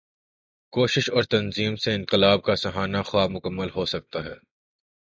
کوشش اور تنظیم سے انقلاب کا سہانا خواب مکمل ہو سکتا ہے۔